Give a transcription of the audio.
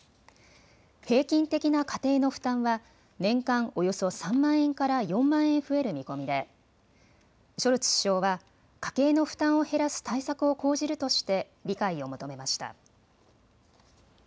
平均的な家庭の負担は年間およそ３万円から４万円増える見込みでショルツ首相は家計の負担を減らす対策を講じるとして理解を求めました。